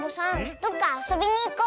どっかあそびにいこう。